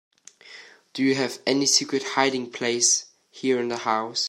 Do you have any secret hiding place here in the house?